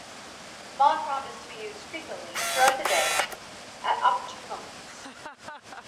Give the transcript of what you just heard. The mantram is to be used frequently throughout the day, at opportune moments.